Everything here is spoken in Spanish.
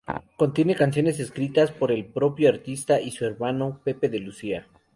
Contiene canciones escritas por el propio artista y su hermano, Pepe de Lucía.